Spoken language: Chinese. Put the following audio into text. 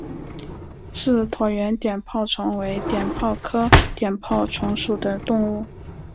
似椭圆碘泡虫为碘泡科碘泡虫属的动物。